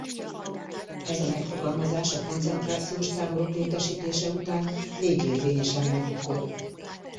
Ez a megfogalmazás a koncentrációs táborok létesítése után végérvényesen megbukott.